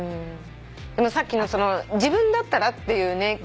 さっきの自分だったらっていうね